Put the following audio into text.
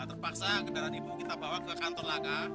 terpaksa kendaraan ibu kita bawa ke kantor laka